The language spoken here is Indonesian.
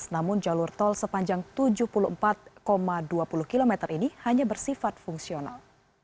namun jalur tol sepanjang tujuh puluh empat dua puluh km ini hanya bersifat fungsional